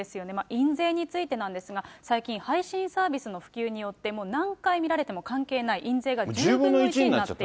印税についてなんですが、最近、配信サービスの普及によって、何回見られても関係ない、印税が１０分の１になってると。